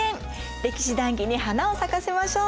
歴史談義に花を咲かせましょう。